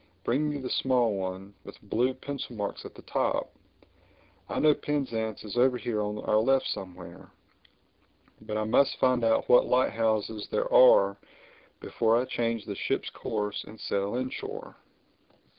Bring me the small one—with blue pencil marks at the top. I know Penzance is over here on our left somewhere. But I must find out what light houses there are before I change the ship's course and sail inshore."